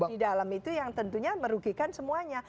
di dalam itu yang tentunya merugikan semuanya